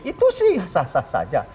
itu sih sah sah saja